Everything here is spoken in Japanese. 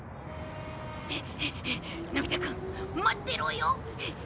のび太くん待ってろよ！